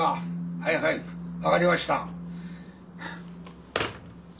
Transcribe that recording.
はいはい分かりました。